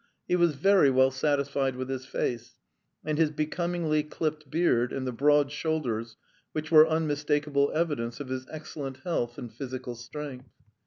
He was very well satisfied with his face, and his becomingly clipped beard, and the broad shoulders, which were unmistakable evidence of his excellent health and physical strength.